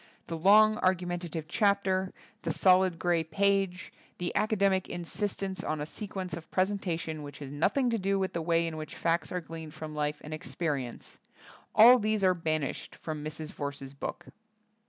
The long, argumentative chapter, the solid grey page, the academic insistence on a se quence of presentation which has nothing to do with the way in which facts are gleaned from life and experi ence— ^all these are banished from Mrs. Verse's book.